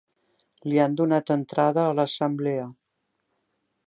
Li han donat entrada a l'assemblea.